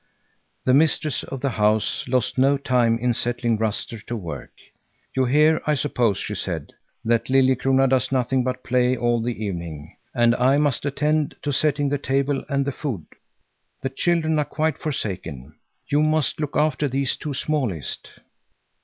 The mistress of the house lost no time in setting Ruster to work. "You hear, I suppose," she said, "that Liljekrona does nothing but play all the evening, and I must attend to setting the table and the food. The children are quite forsaken. You must look after these two smallest."